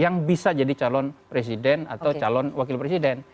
yang bisa jadi calon presiden atau calon wakil presiden